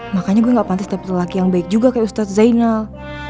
makanya gue gak pantas tapi yang baik juga kayak ustadz zainal